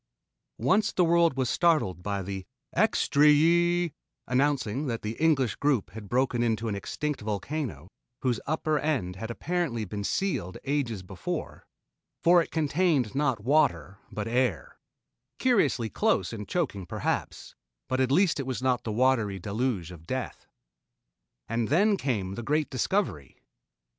Once the world was startled by the "extree ee " announcing that the English group had broken into an extinct volcano, whose upper end had apparently been sealed ages before, for it contained not water but air curiously close and choking perhaps, but at least it was not the watery deluge of death. And then came the great discovery.